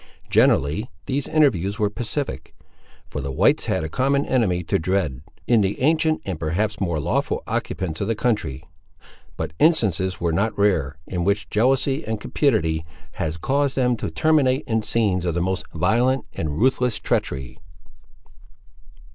Generally, these interviews were pacific; for the whites had a common enemy to dread, in the ancient and perhaps more lawful occupants of the country; but instances were not rare, in which jealousy and cupidity had caused them to terminate in scenes of the most violent and ruthless treachery.